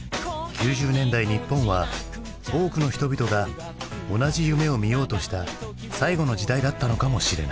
９０年代日本は多くの人々が同じ夢をみようとした最後の時代だったのかもしれない。